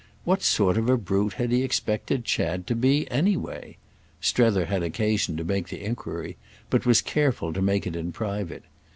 What sort of a brute had he expected Chad to be, anyway?—Strether had occasion to make the enquiry but was careful to make it in private.